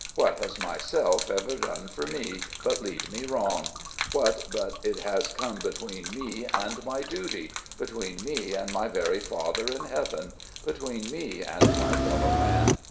What has my self ever done for me, but lead me wrong? What but it has come between me and my duty between me and my very Father in heaven between me and my fellow man!